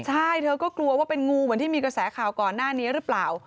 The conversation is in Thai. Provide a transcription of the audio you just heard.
ใช่เธอก็กลัวว่าเป็นงูเหมือนที่มีกระแสข่าวก่อนหน้านี้หรือเปล่า